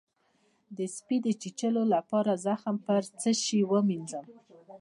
د سپي د چیچلو لپاره زخم په څه شی ووینځم؟